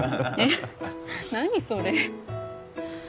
何それ？